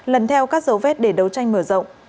lần theo các dấu vết để đấu tranh mở rộng